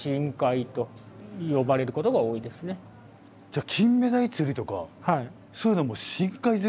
じゃキンメダイ釣りとかそういうのも深海釣りですね。